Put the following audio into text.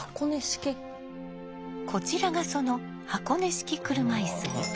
こちらがその箱根式車椅子。